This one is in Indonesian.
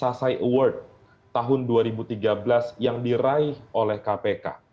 selesai award tahun dua ribu tiga belas yang diraih oleh kpk